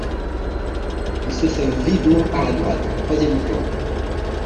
Il se sauve vivement par la droite, troisième plan.